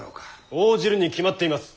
応じるに決まっています！